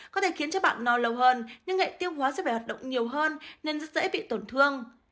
có thể khiến cho bạn no lâu hơn nhưng hệ tiêu hóa sẽ phải hoạt động nhiều hơn nên rất dễ bị tổn thương